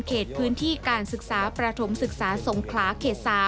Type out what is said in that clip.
เขตพื้นที่การศึกษาประถมศึกษาสงขลาเขต๓